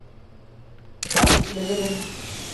Ew li vir in.